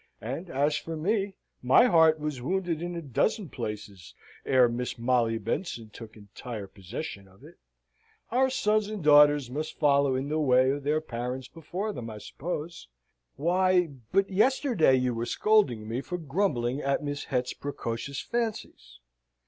And as for me, my heart was wounded in a dozen places ere Miss Molly Benson took entire possession of it. Our sons and daughters must follow in the way of their parents before them, I suppose. Why, but yesterday, you were scolding me for grumbling at Miss Het's precocious fancies.